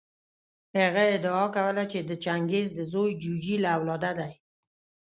هغه ادعا کوله چې د چنګیز د زوی جوجي له اولاده دی.